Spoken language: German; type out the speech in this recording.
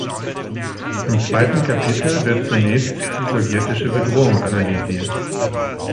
Im zweiten Kapitel wird zunächst die sowjetische Bedrohung analysiert.